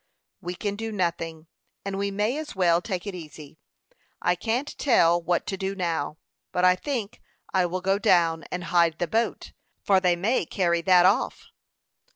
"We can do nothing; and we may as well take it easy. I can't tell what to do now; but I think I will go down and hide the boat, for they may carry that off."